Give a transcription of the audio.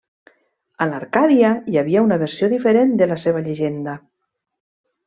A l'Arcàdia hi havia una versió diferent de la seva llegenda.